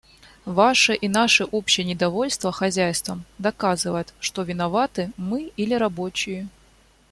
Ваше и наше общее недовольство хозяйством доказывает, что виноваты мы или рабочие.